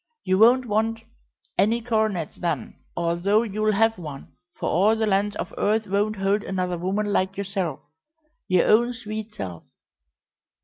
You won't want any coronets then, although you'll have one, for all the lands of earth won't hold another woman like yourself your own sweet self!